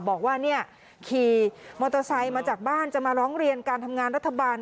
บอกว่าเนี่ยขี่มอเตอร์ไซค์มาจากบ้านจะมาร้องเรียนการทำงานรัฐบาล